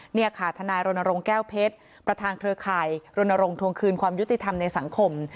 นี่ค่ะทรแก้วเพชรประทางเครือไข่รทวงคืนความยุติธรรมในสังคม